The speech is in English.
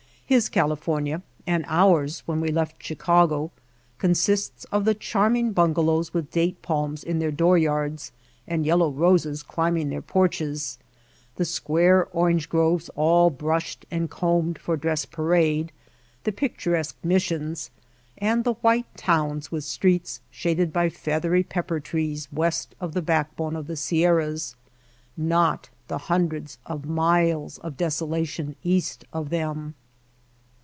His California, and ours when we left Chicago, con sists of the charming bungalows with date palms in their dooryards and yellow roses climbing their porches, the square orange groves all brushed and combed for dress parade, the pic turesque missions, and the white towns with streets shaded by feathery pepper trees west of the backbone of the Sierras, not the hundreds of miles of desolation east of them.